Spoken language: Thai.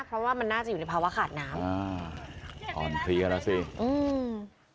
เพราะว่ามันน่าจะอยู่ในภาวะขาดน้ำอ่าอ่อนเพลียแล้วสิอืม